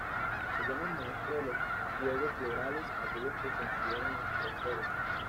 Se llaman "maestros de los juegos Florales" aquellos que consiguieron las tres flores.